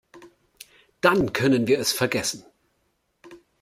Dann können wir es vergessen.